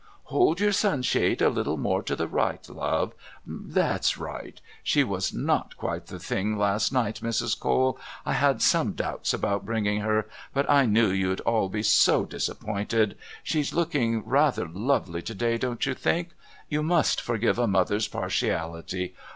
Hold your sun shade a little more to the right, love. That's right. She was not quite the thing last night, Mrs. Cole. I had some doubts about bringing her, but I knew you'd all be so disappointed. She's looking rather lovely to day, don't you think? You must forgive a mother's partiality...